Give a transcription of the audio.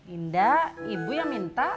indah ibu yang minta